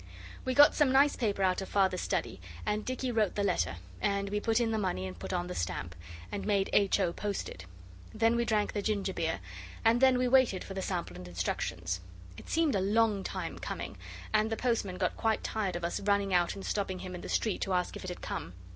We got some nice paper out of Father's study, and Dicky wrote the letter, and we put in the money and put on the stamp, and made H. O. post it. Then we drank the ginger beer, and then we waited for the sample and instructions. It seemed a long time coming, and the postman got quite tired of us running out and stopping him in the street to ask if it had come.